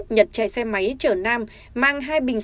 nhật chạy xe máy chở nam mang hai bình